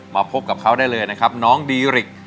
พบกับเขาได้เลยนะครับน้องดีริก